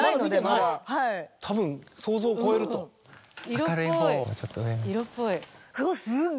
明るい方をちょっとね。